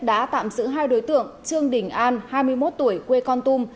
đã tạm giữ hai đối tượng trương đình an hai mươi một tuổi quê con tum